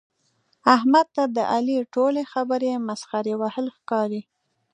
احمد ته د علي ټولې خبرې مسخرې وهل ښکاري.